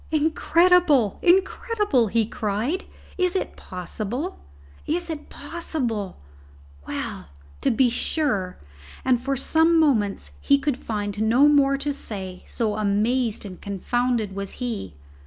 "Incredible! incredible!" he cried. "Is it possible! is it possible! Well, to be sure!" And for some moments he could find no more to say, so amazed and confounded was he.